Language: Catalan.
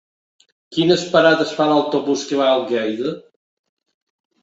Quines parades fa l'autobús que va a Algaida?